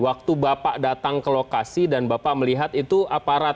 waktu bapak datang ke lokasi dan bapak melihat itu aparat